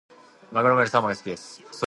マグロよりサーモンが好きです。